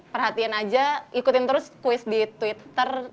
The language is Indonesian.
perhatiin aja ikutin terus quiz di twitter